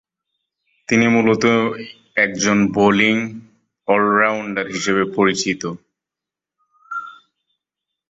তিনি মুলত একজন বোলিং অল-রাউন্ডার হিসেবে পরিচিত।